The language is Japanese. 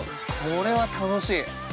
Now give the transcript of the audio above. これは楽しい。